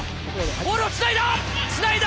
ボールをつないだ！